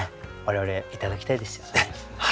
我々いただきたいですよね。